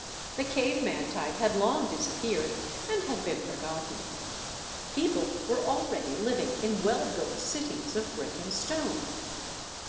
The caveman type had long disappeared and had been forgotten; people were already living in well built cities of brick and stone.